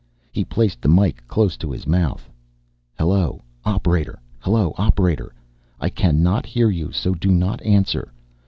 He placed the mike close to his mouth. "Hello, operator. Hello, operator. I cannot hear you so do not answer.